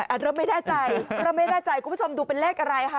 เราไม่แน่ใจเราไม่แน่ใจคุณผู้ชมดูเป็นเลขอะไรคะ